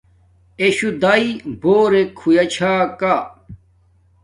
اِشݸ دئی بݸرݵک ہݸُیݳ چھݳ کݳ.